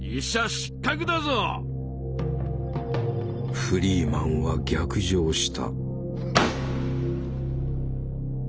フリーマンは逆上した。